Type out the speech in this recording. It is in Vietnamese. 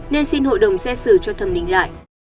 nên xin hộ đồng sẽ xử cho thẩm định lại